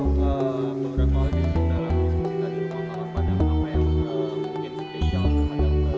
masa setelah beberapa hari ini apa yang mungkin spesial terhadap